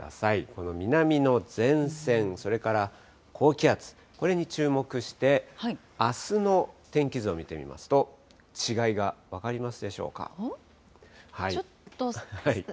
この南の前線、それから高気圧、これに注目して、あすの天気図を見てみますと、違いが分かりますちょっと。